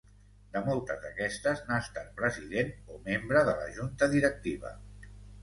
De moltes d'aquestes n'ha estat president o membre de la junta directiva.